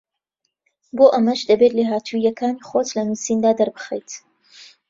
بۆ ئەمەش دەبێت لێهاتووییەکانی خۆت لە نووسیندا دەربخەیت